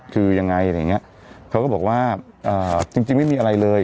คือยังไงอะไรอย่างเงี้ยเขาก็บอกว่าจริงไม่มีอะไรเลย